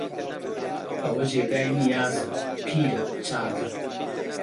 ئەوە جێگای نیازە، پیرە، چاکە